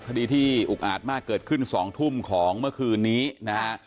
คดีที่อุกอาจมากเกิดขึ้น๒ทุ่มของเมื่อคืนนี้นะฮะ